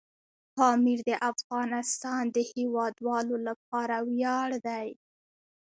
پامیر د افغانستان د هیوادوالو لپاره ویاړ دی.